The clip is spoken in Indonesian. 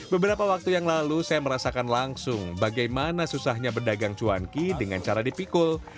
beberapa waktu yang lalu saya merasakan langsung bagaimana susahnya pedagang cuanki dengan cara dipikul